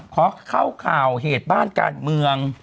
ขอเข้าข่าวเหตุบ้านการเมือง